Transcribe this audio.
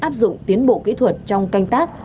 áp dụng tiến bộ kỹ thuật trong canh tác